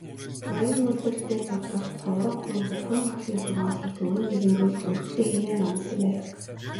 Буян үйлдэгчийн сударт "Хувраг хүн Бурхан багшийн сургаалыг түгээн дэлгэрүүлэх үүрэгтэй" хэмээн номлосон байдаг.